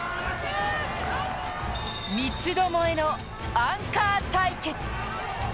三つどもえのアンカー対決。